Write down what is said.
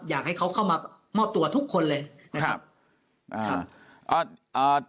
อยากให้เขาเข้ามามอบตัวทุกคนเลยนะครับอ่า